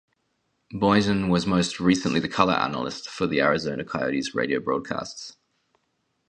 Boynton was most recently the color analyst for the Arizona Coyotes radio broadcasts.